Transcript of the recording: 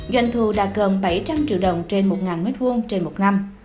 doanh thu đạt gần bảy trăm linh triệu đồng trên một m hai trên một năm